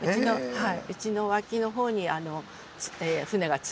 はい。